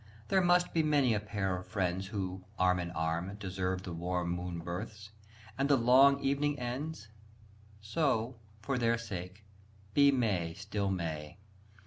There must be many a pair of friends Who, arm in arm, deserve the warm Moon births, and the long evening ends. So, for their sake, be May still May!